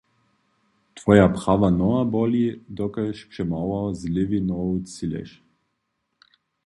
Twoja prawa noha boli, dokelž přemało z lěwej nohu třěleš.